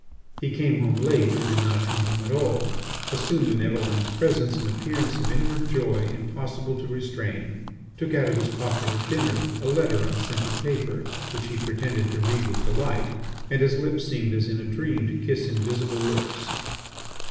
He came home late or did not come home at all, assumed in Eveline's presence an appearance of inward joy impossible to restrain, took out of his pocket, at dinner, a letter on scented paper which he pretended to read with delight, and his lips seemed as in a dream to kiss invisible lips.